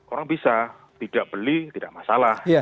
orang bisa tidak beli tidak masalah